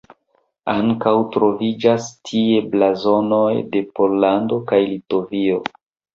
Ankaŭ troviĝas tie blazonoj de Pollando kaj Litovio.